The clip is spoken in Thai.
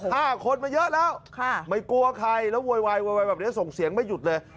ห้าคนมาเยอะแล้วค่ะไม่กลัวใครแล้วโวยวายโวยวายแบบนี้ส่งเสียงไม่หยุดเลย